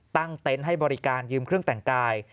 เต็นต์ให้บริการยืมเครื่องแต่งกาย